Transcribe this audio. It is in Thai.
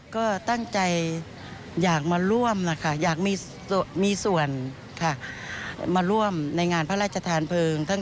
ก็ตั้งใจอยากมาร่วมนะคะอยากมีส่วนค่ะมาร่วมในงานพระราชทานเพลิง